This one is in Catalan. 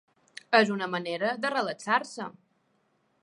És una manera de relaxar-se.